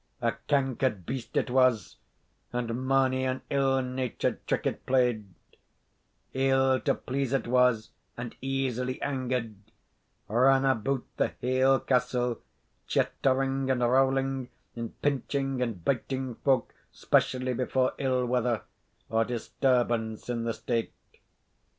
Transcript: A cankered beast it was, and mony an ill natured trick it played; ill to please it was, and easily angered ran about the haill castle, chattering and rowling, and pinching and biting folk, specially before ill weather, or disturbance in the state.